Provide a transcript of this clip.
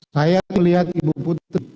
saya melihat ibu putri